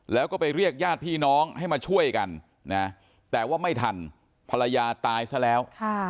แล้วก็ไปเรียกญาติพี่น้องให้มาช่วยกันนะแต่ว่าไม่ทันภรรยาตายซะแล้ว